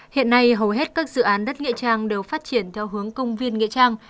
hiện nay hầu hết các dự án đất nghĩa trang đều phát triển theo hướng công viên nghệ trang